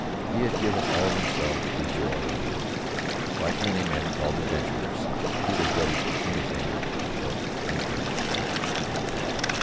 He had given all of himself to joy in Ruth. Like many men called "adventurers," he was ready for anything but content with anything.